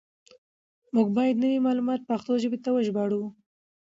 موږ بايد نوي معلومات پښتو ژبې ته وژباړو.